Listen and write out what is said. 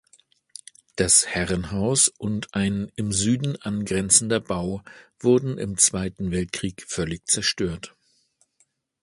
Das Herrenhaus und ein im Süden angrenzender Bau wurden im Zweiten Weltkrieg völlig zerstört.